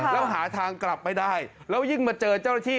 แล้วหาทางกลับไม่ได้แล้วยิ่งมาเจอเจ้าหน้าที่